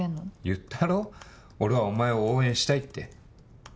言ったろ俺はお前を応援したいって。